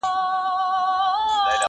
د کور هر غړی مات او بې وسه ښکاري..